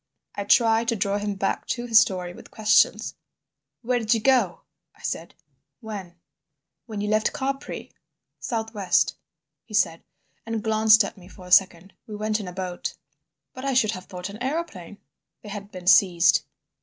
I tried to draw him back to his story with questions. "Where did you go?" I said. "When?" "When you left Capri." "South west," he said, and glanced at me for a second. "We went in a boat." "But I should have thought an aeroplane?" "They had been seized."